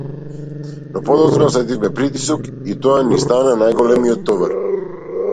Но подоцна осетивме притисок и тоа ни стана најголемиот товар.